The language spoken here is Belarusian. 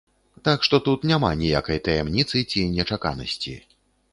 Так што тут няма ніякай таямніцы ці нечаканасці.